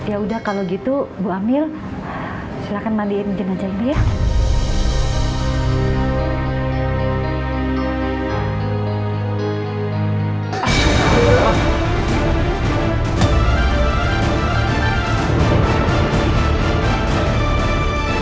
yaudah kalau gitu bu amil silahkan mandiin jenazah ini ya